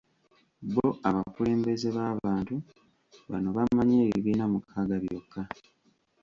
Bo abakulembeze b'abantu bano bamanyi ebibiina mukaaga byokka.